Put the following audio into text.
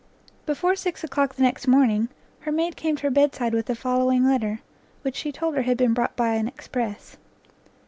Before six o'clock the next morning, her maid came to her bedside with the following letter, which she told; her had been brought by an express.